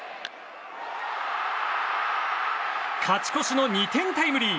勝ち越しの２点タイムリー。